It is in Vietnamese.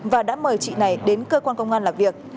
và đã mời chị này đến cơ quan công an làm việc